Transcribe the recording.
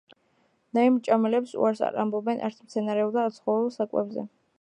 ნაირმჭამელები უარს არ ამბობენ არც მცენარეულ და არც ცხოველურ საკვებზე